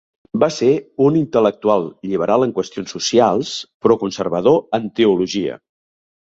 Va ser un intel·lectual lliberal en qüestions socials, però conservador en teologia.